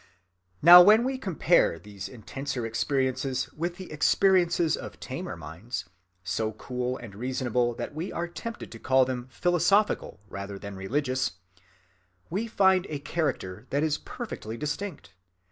Now when we compare these intenser experiences with the experiences of tamer minds, so cool and reasonable that we are tempted to call them philosophical rather than religious, we find a character that is perfectly distinct.